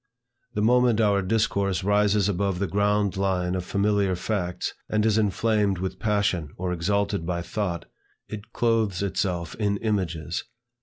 The moment our discourse rises above the ground line of familiar facts, and is inflamed with passion or exalted by thought, it clothes itself in images.